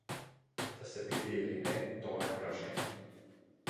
Да се биде или не, тоа е прашање.